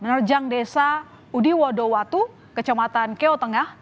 menerjang desa udiwadowatu kecamatan keotengah